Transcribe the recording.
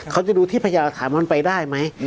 เขาจะดูที่พยาหลักฐานมันไปได้ไหม